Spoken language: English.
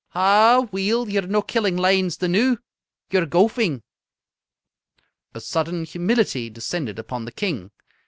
'" "Ah, weel, ye're no killing lions the noo. Ye're gowfing." A sudden humility descended upon the King.